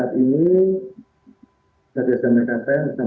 untuk saat ini satya sd mekate sama dengan tim dari teknik polri